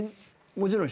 もちろん。